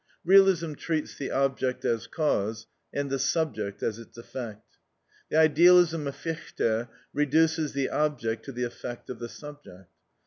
Realism treats the object as cause, and the subject as its effect. The idealism of Fichte reduces the object to the effect of the subject.